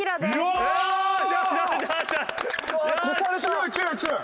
強い強い強い！